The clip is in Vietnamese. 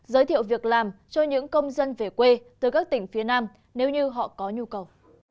giới thiệu việc làm cho những công dân về quê từ các tỉnh phía nam nếu như họ có nhu cầu